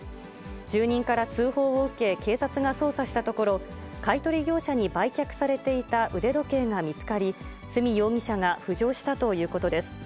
住人から通報を受け、警察が捜査したところ、買い取り業者に売却されていた腕時計が見つかり、角容疑者が浮上したということです。